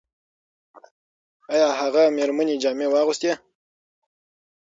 ایا هغه مېرمنې جامې واغوستې؟